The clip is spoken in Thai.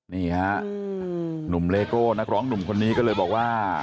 นี่ฮะหนุ่มเลโก้นักร้องหนุ่มคนนี้ก็เลยบอกว่า